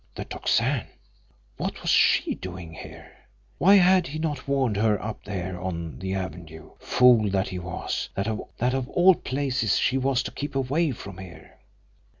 The Tocsin! What was she doing here! Why had he not warned her up there on the avenue, fool that he was, that of all places she was to keep away from here!